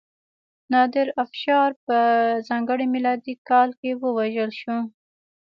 نادرافشار په ځانګړي میلادي کال کې ووژل شو.